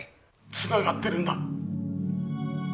つながってるんだ。